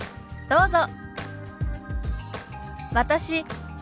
どうぞ。